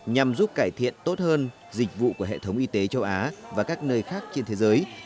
nhằm giúp cải thiện tốt hơn dịch vụ của hệ thống y tế châu á và các nơi khác trên thế giới